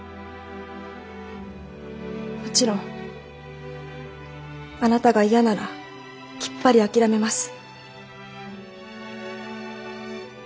もちろんあなたが嫌ならきっぱり諦めます。